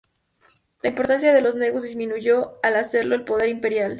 La importancia de los Negus disminuyó al hacerlo el poder imperial.